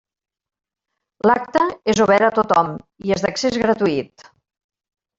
L'acte és obert a tothom i és d'accés gratuït.